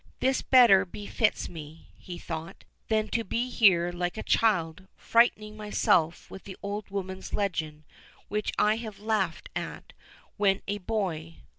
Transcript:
—"This better befits me," he thought, "than to be here like a child, frightening myself with the old woman's legend, which I have laughed at when a boy.